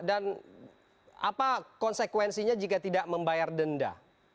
dan apa konsekuensinya jika tidak membayar denda